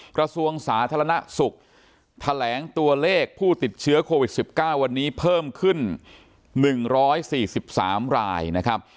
กระทรวงสาธารณสุขแถลงตัวเลขผู้ติดเชื้อโควิด๑๙วันนี้เพิ่มขึ้น๑๔๓รายนะครับ